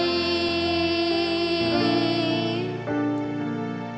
ขอบคุณครับ